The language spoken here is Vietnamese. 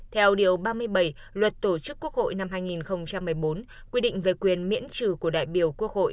theo điều ba mươi bảy luật tổ chức quốc hội năm hai nghìn một mươi bốn quy định về quyền miễn trừ của đại biểu quốc hội